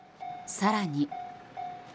更に。